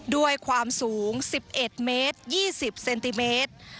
ด้วยความสูง๑๑เมตร๒๐เซนติเมตร